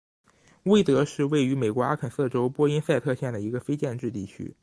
威德是位于美国阿肯色州波因塞特县的一个非建制地区。